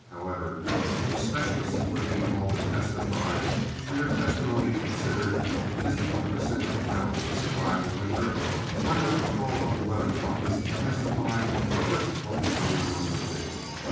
However, if specialists were to be called to testify, and their testimony considered, as to what per cent. of cattle would survive a winter, why not call on the weather prophets to testify just what the coming one would be?